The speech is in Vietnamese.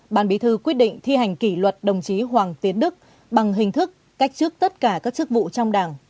ban bí thư quyết định thi hành kỷ luật đồng chí hoàng tiến đức bằng hình thức cách trước tất cả các chức vụ trong đảng